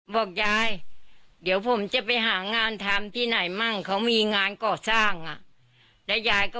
แล้วเป็นอยู่นี่เหอะ